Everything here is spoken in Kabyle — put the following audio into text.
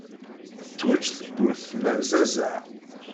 Tettweǧǧ tewwurt temmerzazeɣ.